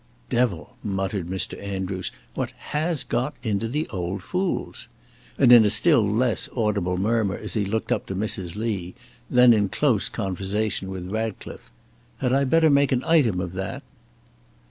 "Devil!" muttered Mr. Andrews; "what has got into the old fools?" and in a still less audible murmur as he looked up to Mrs. Lee, then in close conversation with Ratcliffe: "Had I better make an item of that?"